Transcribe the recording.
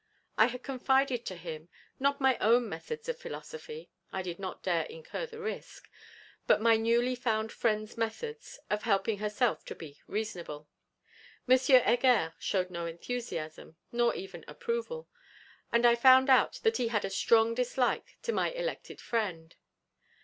I had confided to him, not my own methods of philosophy I did not dare incur the risk but my newly found friend's methods of helping herself to be 'reasonable.' M. Heger showed no enthusiasm, nor even approval: and I found out that he had a strong dislike to my elected friend.